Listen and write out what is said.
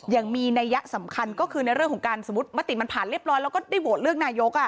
ยังมีนัยยะสำคัญก็คือในเรื่องของการสมมุติมติมันผ่านเรียบร้อยแล้วก็ได้โหวตเลือกนายก